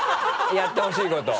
やってほしいこと。